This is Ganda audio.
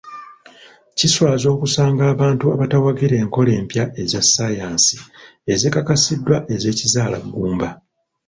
Kiswaza okusanga abantu abatawagira enkola empya ezasaayansi ezikakasiddwa ez'ekizaalaggumba.